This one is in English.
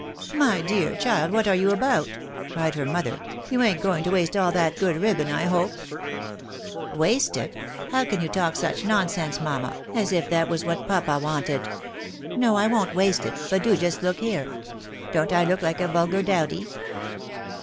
" My dear chUd, what are you about ?" cried her mother ;" you ain't going to waste aU that good ribbon, I hope ?"" Waste it ! How can you talk such nonsense, mamma, as if that was what papa wanted ? No, I won't waste it, but do just look here ; don't I look like a vulgar dowdy